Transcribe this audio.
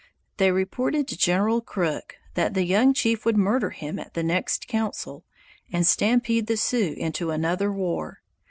They reported to General Crook that the young chief would murder him at the next council, and stampede the Sioux into another war.